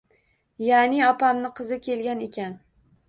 Yaʼni opamning qizi kelgan ekan.